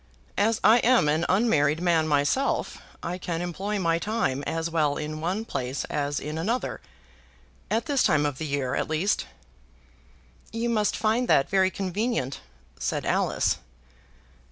As I am an unmarried man myself, I can employ my time as well in one place as in another; at this time of the year at least." "You must find that very convenient," said Alice.